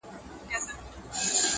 او بحثونه بيا راګرځي تل,